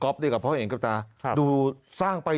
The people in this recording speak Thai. เกิดว่าจะต้องมาตั้งโรงพยาบาลสนามตรงนี้